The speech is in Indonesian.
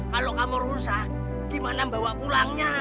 kalau kamu rusak gimana bawa pulangnya